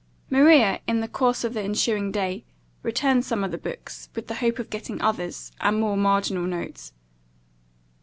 Maria, in the course of the ensuing day, returned some of the books, with the hope of getting others and more marginal notes.